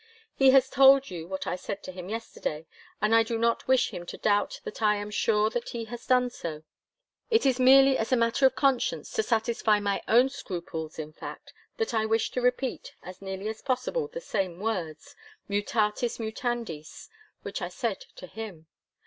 He has told you what I said to him yesterday, and I do not wish him to doubt that I am sure that he has done so. It is merely as a matter of conscience, to satisfy my own scruples in fact, that I wish to repeat, as nearly as possible, the same words, 'mutatis mutandis,' which I said to him.